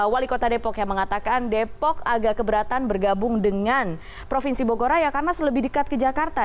wali kota depok yang mengatakan depok agak keberatan bergabung dengan provinsi bogoraya karena lebih dekat ke jakarta